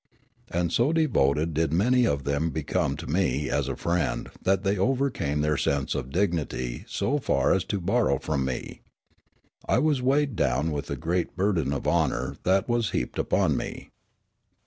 And so devoted did many of them become to me as a friend that they overcame their sense of dignity so far as to borrow from me. I was weighed down with the great burden of honour that was heaped upon me.